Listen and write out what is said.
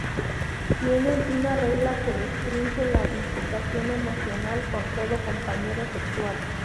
Tienen una regla que restringe la implicación emocional con todo compañero sexual.